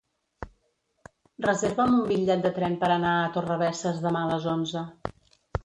Reserva'm un bitllet de tren per anar a Torrebesses demà a les onze.